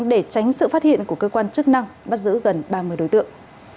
để tránh sự phát hiện của cơ quan chức năng bắt giữ gần ba mươi đối tượng